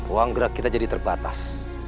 uang gerak kita jadi terbatas